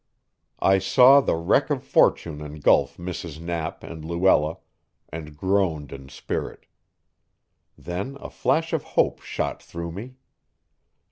I saw the wreck of fortune engulf Mrs. Knapp and Luella, and groaned in spirit. Then a flash of hope shot through me.